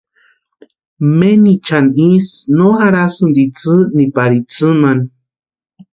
Menichani ísï no jarhasïnti itsï ni pari itsïmani.